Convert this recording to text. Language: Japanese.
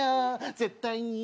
絶対に。